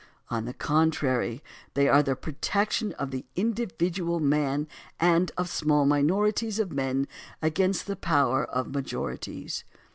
On the contrary, they are the protection of the individual man and of small minorities of men against the power of majorities.